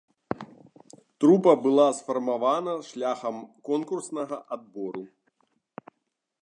Трупа была сфармавана шляхам конкурснага адбору.